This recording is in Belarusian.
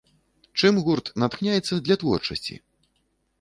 Чым гурт натхняецца для творчасці?